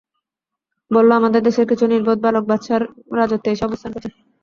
বলল, আমাদের দেশের কিছু নির্বোধ বালক বাদশাহর রাজত্বে এসে অবস্থান করছে।